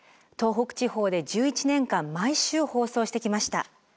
東北地方で１１年間毎週放送してきました。